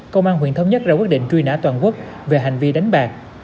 công an huyện thống nhất ra quyết định truy nã toàn quốc về hành vi đánh bạc